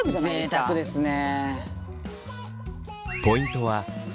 ぜいたくですね。